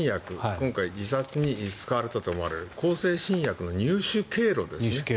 今回、自殺に使われたと思われる向精神薬の入手経路です。